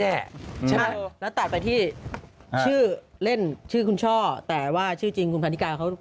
ใช่แล้วตัดไปที่ชื่อเล่นชื่อคุณช่อแต่ว่าชื่อจริงคุณพันธิกาเขา